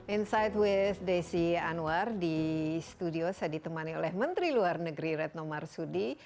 insight with desi anwar di studio saya ditemani oleh menteri luar negeri retno marsudi